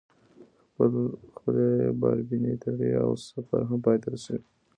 خپلې باربېنې تړي او سفر هم پاى ته رسي.